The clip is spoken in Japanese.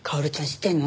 知ってるの？